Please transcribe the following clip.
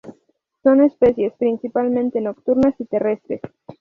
Son especies principalmente nocturnas y terrestres.